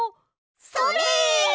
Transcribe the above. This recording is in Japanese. それ！